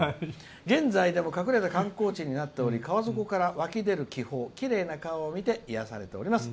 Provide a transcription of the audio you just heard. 「現在でも隠れた観光地になっており湧き出る気泡、きれいな川を見て癒やされています。